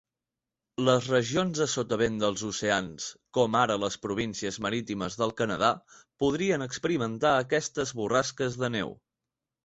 Les regions a sotavent dels oceans, com ara les Províncies Marítimes del Canadà, podrien experimentar aquestes borrasques de neu.